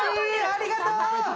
ありがとう！